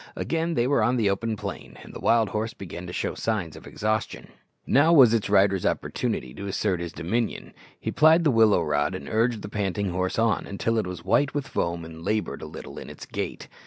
Again they were on the open plain, and the wild horse began to show signs of exhaustion. Now was its rider's opportunity to assert his dominion. He plied the willow rod and urged the panting horse on, until it was white with foam and laboured a little in its gait.